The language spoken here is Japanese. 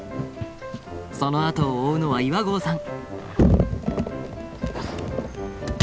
そのあとを追うのは岩合さん。